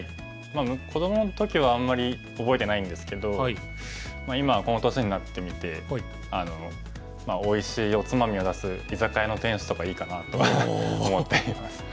まあ子どもの時はあんまり覚えてないんですけど今この年になってみておいしいおつまみを出す居酒屋の店主とかいいかなと思っています。